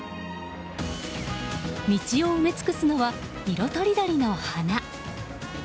道を埋め尽くすのは色とりどりの花。